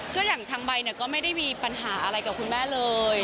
ก็อย่างทางใบเนี่ยก็ไม่ได้มีปัญหาอะไรกับคุณแม่เลย